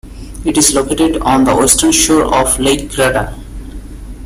It is located on the western shore of the Lake Garda.